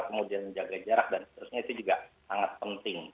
kemudian menjaga jarak dan seterusnya itu juga sangat penting